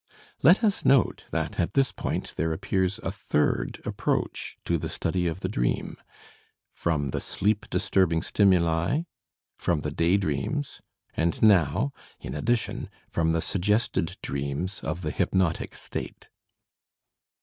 Let us note that at this point there appears a third approach to the study of the dream; from the sleep disturbing stimuli, from the day dreams, and now in addition, from the suggested dreams of the hypnotic state.